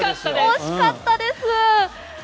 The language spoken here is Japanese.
惜しかったです。